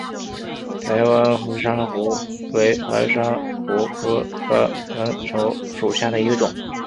台湾蕈珊瑚为蕈珊瑚科蕈珊瑚属下的一个种。